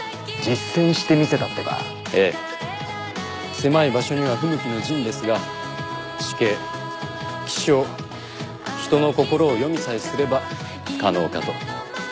狭い場所には不向きの陣ですが地形気象人の心を読みさえすれば可能かと。